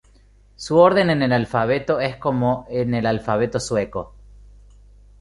Su orden en el alfabeto es como en el alfabeto sueco.